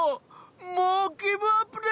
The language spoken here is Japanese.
もうギブアップで！